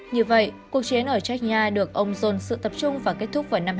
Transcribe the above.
như vậy cuộc chiến ở chechnya được ông dồn sự tập trung và kết thúc vào năm hai nghìn chín